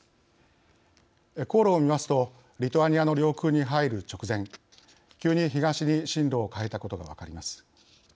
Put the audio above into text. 航路を見ますとリトアニアの領空に入る直前急に東に針路を変えたことが分かります。